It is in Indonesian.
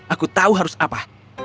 aku tahu harus apa